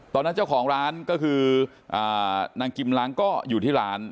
ตอนนั้นเจ้าของร้านก็คือนางกิมล้างก็อยู่ที่ร้าน